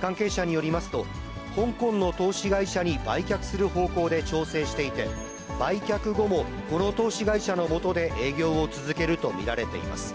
関係者によりますと、香港の投資会社に売却する方向で調整していて、売却後もこの投資会社の下で営業を続けると見られています。